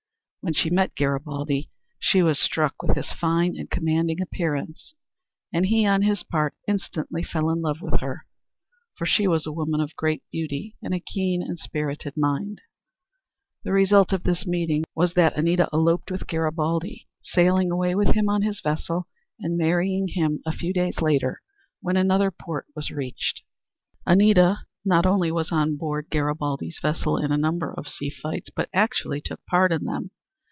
When she met Garibaldi she was struck with his fine and commanding appearance, and he on his part instantly fell in love with her, for she was a woman of great beauty and a keen and spirited mind. The result of this meeting was that Anita eloped with Garibaldi, sailing away with him on his vessel and marrying him a few days later when another port was reached. Anita not only was on board Garibaldi's vessel in a number of sea fights but actually took part in them.